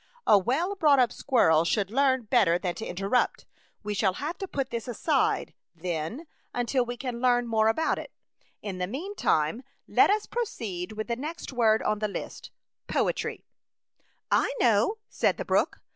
''A well brought up squirrel should know better than to interrupt. We shall have to put this aside, then, until we can learn more about it. In A Chautauqua Idyl. 59 the meantime, let us proceed with tke next word on the Hst, poetry/' " I know," said the brook.